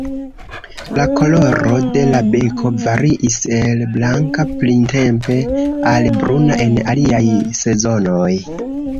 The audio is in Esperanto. La koloro de la beko variis el blanka printempe al bruna en aliaj sezonoj.